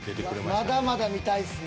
まだまだ見たいっすね。